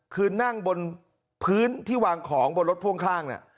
คือนั่งบนพื้นที่วางของบนรถพ่วงข้าง